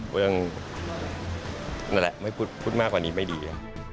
เพราะฉะนั้นแหละพูดมากกว่านี้ไม่ดี